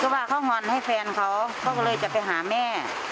ว่าเขางอนให้แฟนเขาเขาก็เลยจะไปหาแม่